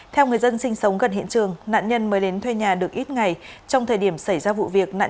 theo người dân sinh sống gần hiện trường nạn nhân mới đến thuê nhà được ít ngày trong thời điểm xảy ra vụ việc